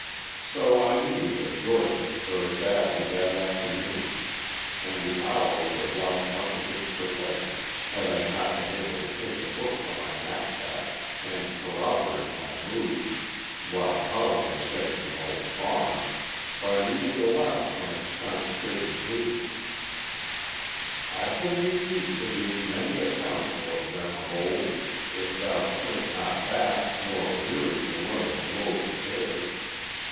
So I needed "The Georgics" very badly that afternoon, and the hour would have lost much of its perfection had I not been able to take the book from my knapsack, and corroborate my mood, while Colin was sketching an old barn, by reading aloud from its consecrated pages: "_I can repeat to thee many a counsel of them of old, if thou shrink not back nor weary to learn of lowly cares.